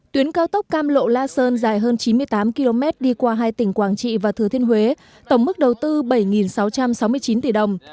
tuyến cao tốc cam lộ la sơn dài hơn chín mươi tám km đi qua hai tỉnh quảng trị và thừa thiên huế tổng mức đầu tư bảy sáu trăm sáu mươi chín tỷ đồng